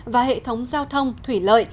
và hệ thống giao thông thủy lợi